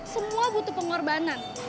semua butuh pengorbanan